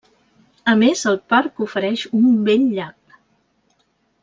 A més, el parc ofereix un bell llac.